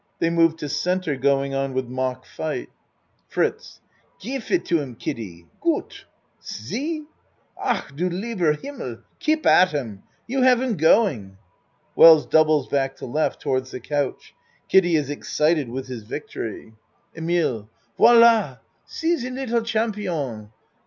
They move to C. going on with mock fight.) FRITZ Gif it to him, Kiddie. Goot! See! Ach du leiber Himmel! Keep at him! You have him going! (Wells doubles back to L. towards the couch. Kiddie is excited with his victory.) 12 A MAN'S WORLD EMILE Viola! See ze liddle champion!